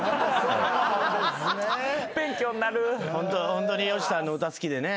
ホントに吉さんの歌好きでね。